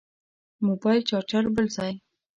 موبایل چارچر بل ځای.